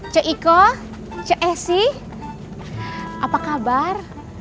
cik iko cik esi apa kabar